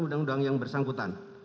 undang undang yang bersangkutan